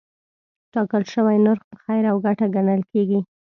ټاکل شوی نرخ په خیر او ګټه ګڼل کېږي.